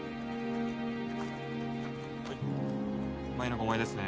はい舞菜５枚ですね